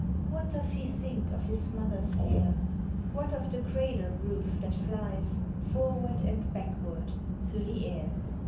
What does he thiuk of his mother's hair? What of the cradle roof, that tlies Forward and backward through the air?